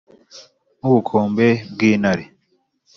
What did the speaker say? Nk'ubukombe bw'intare